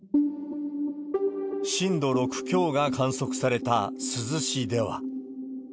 震度６強が観測された珠洲市では。